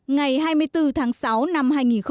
ngày hai mươi bốn tháng sáu năm hai nghìn một mươi bốn